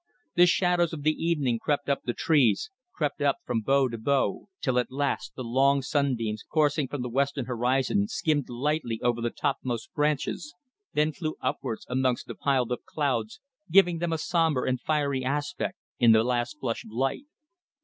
The shadows of the evening crept up the trees, crept up from bough to bough, till at last the long sunbeams coursing from the western horizon skimmed lightly over the topmost branches, then flew upwards amongst the piled up clouds, giving them a sombre and fiery aspect in the last flush of light.